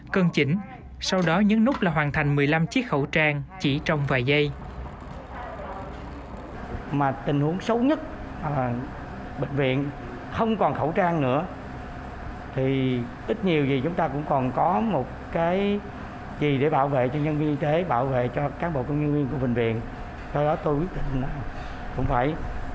cần chỉnh sau đó nhấn nút là hoàn thành một mươi năm chiếc khẩu trang chỉ trong vài giây